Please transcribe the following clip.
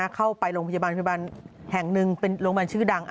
เข้าไปโรงพยาบาลแห่งหนึ่งเป็นโรงพยาบาลชื่อดัง